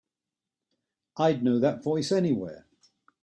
I'd know that voice anywhere.